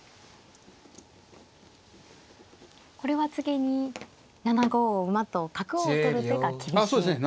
これは次に７五馬と角を取る手が厳しいですね。